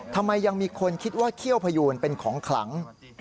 ทำไมยังมีคนคิดว่าเขี้ยวพยูนเป็นของขลัง